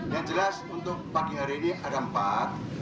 yang jelas untuk pagi hari ini ada empat